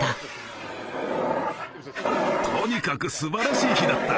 とにかくすばらしい日だった！